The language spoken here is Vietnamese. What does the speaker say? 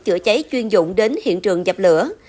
chữa cháy chuyên dụng đến hiện trường dập lửa